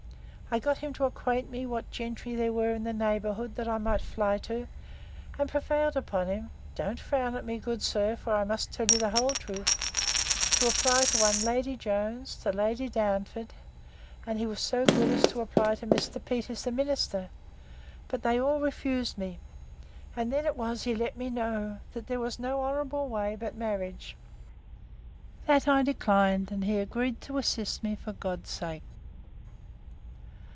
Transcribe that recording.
I got him to acquaint me what gentry there were in the neighbourhood that I might fly to; and prevailed upon him—Don't frown at me, good sir; for I must tell you the whole truth—to apply to one Lady Jones; to Lady Darnford; and he was so good to apply to Mr. Peters, the minister: But they all refused me; and then it was he let me know, that there was no honourable way but marriage. That I declined; and he agreed to assist me for God's sake.